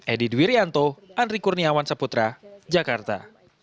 edi dwiryanto andri kurniawan saputra jakarta